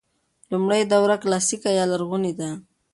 لومړۍ دوره کلاسیکه یا لرغونې ده.